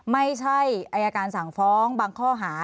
ไม่ใช่อายการสั่งฟ้องบางข้อหา